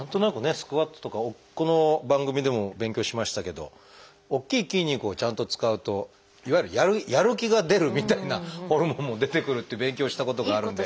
スクワットとかこの番組でも勉強しましたけど大きい筋肉をちゃんと使うといわゆるやる気が出るみたいなホルモンも出てくるって勉強したことがあるんで。